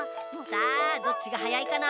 さあどっちがはやいかな？